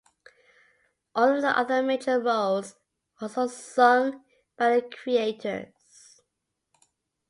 All of the other major roles were also sung by their creators.